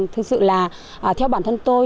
thực sự là theo bản thân tôi